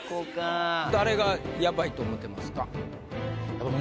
誰がヤバいと思ってますか？